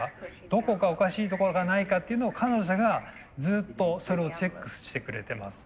どこかおかしいところがないかっていうのを彼女がずっとそれをチェックしてくれてます。